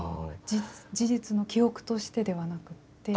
事実の記憶としてではなくって。